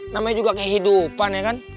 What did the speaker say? namanya juga kehidupan ya kan